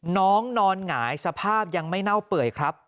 น้องนอนหงายสภาพยังไม่เน่าเปื่อยครับ